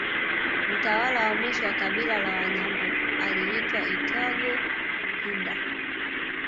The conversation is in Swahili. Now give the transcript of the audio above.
Mtawala wa mwisho wa kabila la Wanyambo aliitwa Itogo Ruhinda